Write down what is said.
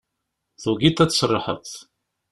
Tugiḍ ad tserrḥeḍ.